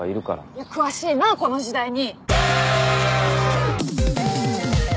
いや詳しいなこの時代に。